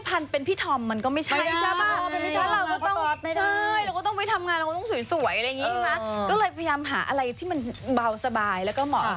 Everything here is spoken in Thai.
ก็เลยพยายามหาอะไรที่มันเบาสบายแล้วก็เหมาะ